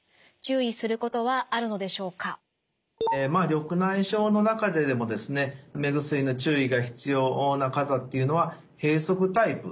緑内障の中ででもですね目薬の注意が必要な方っていうのは閉塞タイプ。